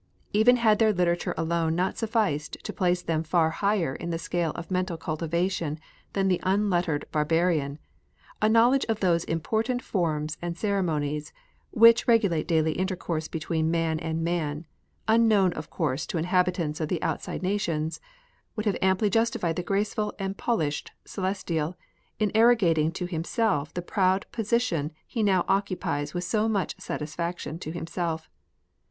Even had their literature alone not sufficed to place them far higher in the scale of mental cultivation than the unlettered barbarian, a knowledge of those important forms and ceremonies which regulate daily intercourse between man and man, unknown of course to inha bitants of the outside nations, would have amply justified the graceful and polished Celestial in arro gating to himself the proud position he now occupies with so much satisfaction to himself.